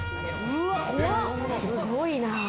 すごいな。